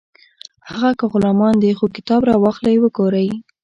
هغه که غلامان دي خو کتاب راواخلئ وګورئ